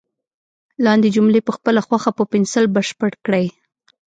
لاندې جملې په خپله خوښه په پنسل بشپړ کړئ.